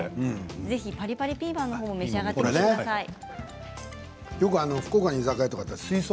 ぜひパリパリピーマンのほうも召し上がってください。